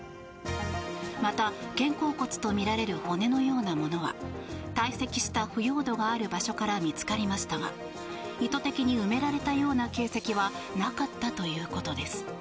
また、肩甲骨とみられる骨のようなものはたい積した腐葉土がある場所から見つかりましたが意図的に埋められたような形跡はなかったということです。